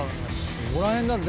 どこら辺だろう？